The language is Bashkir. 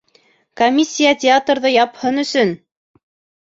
Комиссия театрҙы япһын өсөн!